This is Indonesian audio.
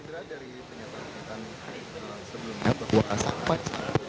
sebelumnya berkuasa sampai